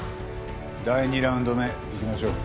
第２ラウンド目いきましょう。